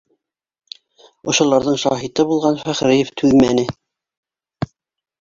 Ошоларҙың шаһиты булған Фәхриев түҙмәне: